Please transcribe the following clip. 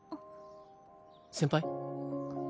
先輩？